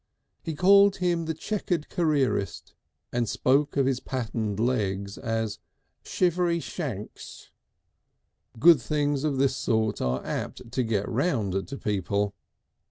He called him the "Chequered Careerist," and spoke of his patterned legs as "shivery shakys." Good things of this sort are apt to get round to people.